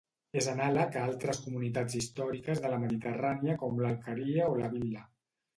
És anàleg a altres comunitats històriques de la Mediterrània com l'alqueria o la vil·la.